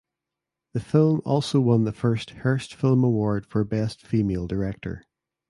The film also won the first Hearst Film Award for Best Female Director.